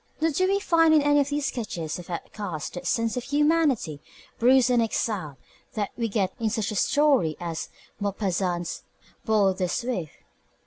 Nor do we find in any of these sketches of outcasts that sense of humanity bruised and exiled that we get in such a story as Maupassant's Boule de Suif.